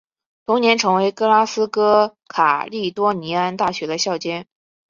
同年成为格拉斯哥卡利多尼安大学的校监。